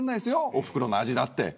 おふくろの味だって。